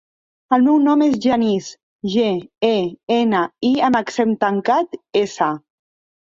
El meu nom és Genís: ge, e, ena, i amb accent tancat, essa.